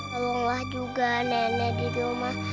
lelah juga nenek di rumah